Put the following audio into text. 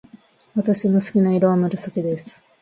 私の好きな色は紫です。